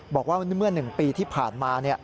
บอกว่าเมื่อ๑ปีที่ผ่านมา